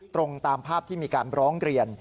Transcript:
ตรงตามภาพที่มีการร้องเรียน